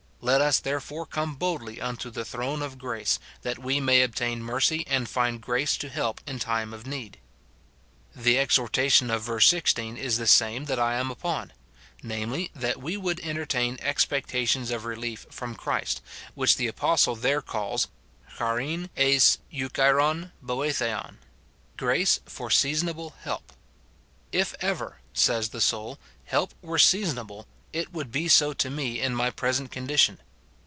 Let us therefore come boldly unto the throne of grace, that we may obtain mercy, and find grace to help in time of need." The exhortation of verse 16 is the same that I am upon, — namely, that we would entertain ex 298 MORTIFICATION OF pectations of relief from Christ, which the apostle there calls x'^'P'^ ^'S si^'<«'pf»' i3or,&sinv^ " grace for seasonable help." " If ever," says the soul, " help were seasonable, it would be so to mo in my present condition.